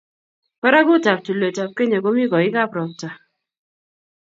Barakutap tulwetap Kenya komi koikab ropta